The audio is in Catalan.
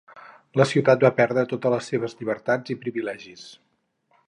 La ciutat va perdre totes les seves llibertats i privilegis.